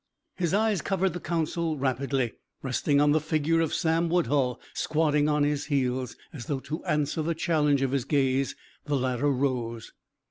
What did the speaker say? His eyes covered the council rapidly, resting on the figure of Sam Woodhull, squatting on his heels. As though to answer the challenge of his gaze, the latter rose.